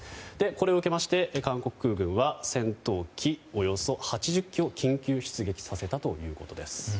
これを受けまして韓国空軍は戦闘機およそ８０機を緊急出撃させたということです。